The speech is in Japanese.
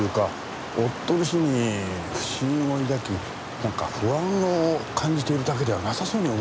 夫の死に不審を抱きなんか不安を感じているだけではなさそうに思うんですが。